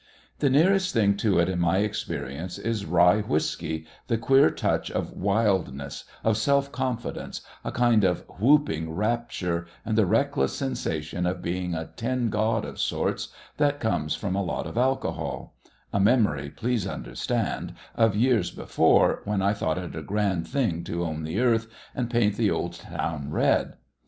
The nearest thing to it in my experience is rye whisky, the queer touch of wildness, of self confidence, a kind of whooping rapture and the reckless sensation of being a tin god of sorts that comes from a lot of alcohol a memory, please understand, of years before, when I thought it a grand thing to own the earth and paint the old town red.